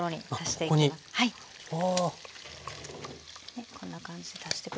こんな感じで足して下さい。